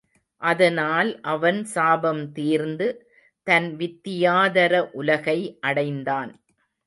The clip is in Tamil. அதனால் அவன் சாபம் தீர்ந்து தன் வித்தியாதர உலகை அடைந்தான்.